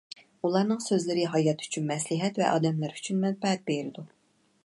ئۇلارنىڭ سۆزلىرى ھايات ئۈچۈن مەسلىھەت ۋە ئادەملەر ئۈچۈن مەنپەئەت بېرىدۇ.